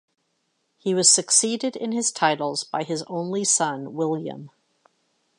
He was succeeded in his titles by his only son William.